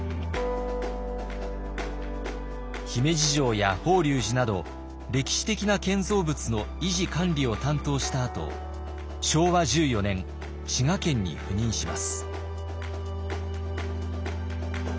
姫路城や法隆寺など歴史的な建造物の維持管理を担当したあと昭和１４年滋賀県に赴任します。